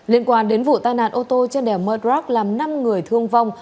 liên quan đến vụ tai nạn ô tô trên đèo merc làm năm người thương vong